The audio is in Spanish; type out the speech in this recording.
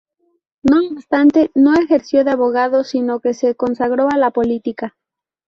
No obstante, no ejerció de abogado, sino que se consagró a la política.